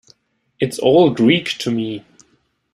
It's all Greek to me.